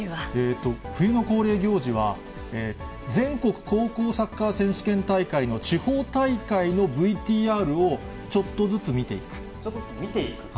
冬の恒例行事は、全国高校サッカー選手権大会の地方大会のＶＴＲをちょっとずつ見ちょっとずつ見ていくと。